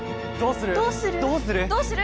どうする？